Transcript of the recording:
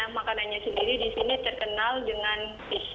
makanannya sendiri di sini terkenal dengan pizza